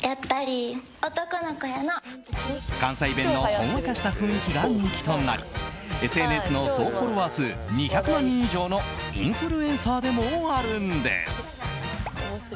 関西弁のほんわかした雰囲気が人気となりＳＮＳの総フォロワー数２００万人以上のインフルエンサーでもあるんです。